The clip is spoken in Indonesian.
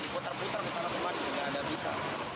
putar putar bisa tidak bisa